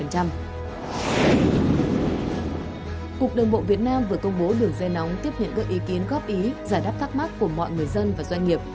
cục đồng bộ việt nam vừa công bố đường dây nóng tiếp hiện gợi ý kiến góp ý giải đáp thắc mắc của mọi người dân và doanh nghiệp